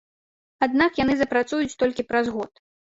Аднак яны запрацуюць толькі праз год.